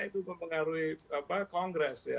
itu mempengaruhi kongres